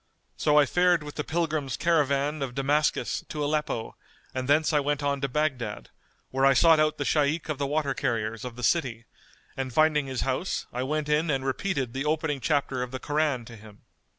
So I fared with the pilgrims caravan of Damascus to Aleppo and thence I went on to Baghdad, where I sought out the Shaykh of the Water carriers of the city and finding his house I went in and repeated the opening chapter of the Koran to him.